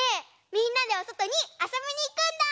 みんなでおそとにあそびにいくんだ！